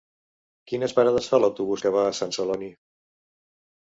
Quines parades fa l'autobús que va a Sant Celoni?